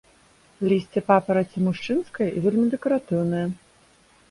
Лісце папараці мужчынскай вельмі дэкаратыўнае.